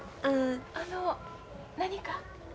あの何か？